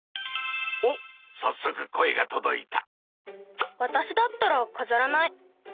おっさっそく声がとどいた。